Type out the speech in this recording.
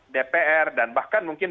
dpr dan bahkan mungkin